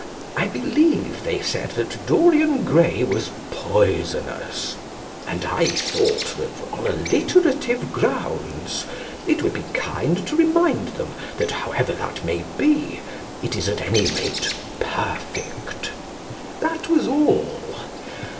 I believe they said that "Dorian Gray" was poisonous, and I thought that, on alliterative grounds, it would be kind to remind them that, however that may be, it is at any rate perfect. That was all.